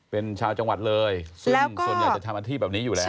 เป็นชาวจังหวัดเลยซึ่งส่วนใหญ่จะทำอาชีพแบบนี้อยู่แล้ว